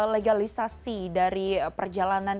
legalisasi dari perjalanan